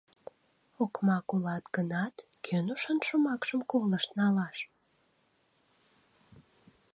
Окмак улат гынат, кӧн ушан шомакшым колышт налаш?